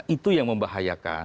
itu yang membahayakan